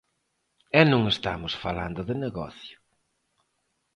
E non estamos falando de negocio.